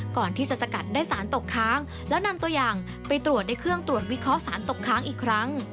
ก่อนที่จะสกัดได้สารตกค้างแล้วนำตัวอย่างไปตรวจในเครื่องตรวจวิเคราะห์สารตกค้างอีกครั้ง